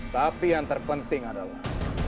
tapi yang terpenting adalah